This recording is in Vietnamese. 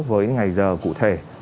với ngày giờ cụ thể